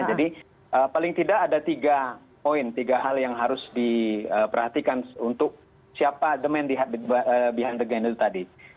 jadi paling tidak ada tiga hal yang harus diperhatikan untuk siapa the man behind the gun itu tadi